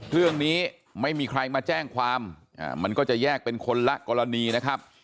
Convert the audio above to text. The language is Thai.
ไม่มีใครมาแจ้งความมันก็จะแยกเป็นคนละกรณีนะครับ